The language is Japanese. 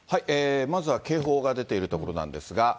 まずは警報が出ている所なんですが。